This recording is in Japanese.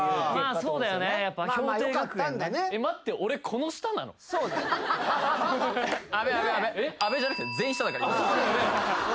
そうだよねさあ